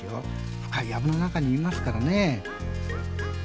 深いやぶの中にいますからね。